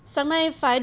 sáng nay phái đoàn